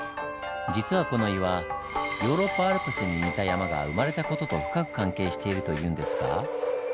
実はこの岩ヨーロッパアルプスに似た山が生まれた事と深く関係しているというんですが。